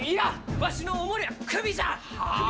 わしのお守りは、クビじゃあ！